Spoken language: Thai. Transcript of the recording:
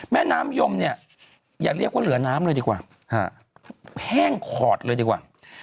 แม่น้ำโยมอย่างเรียกว่าเหลือน้ำเลยดีกว่า